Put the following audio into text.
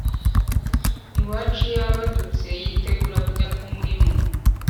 iwacu yabadutse yitegura kujya ku murimo